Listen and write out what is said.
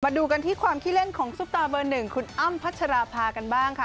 ดูกันที่ความขี้เล่นของซุปตาเบอร์หนึ่งคุณอ้ำพัชราภากันบ้างค่ะ